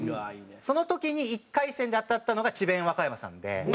その時に１回戦で当たったのが智弁和歌山さんで。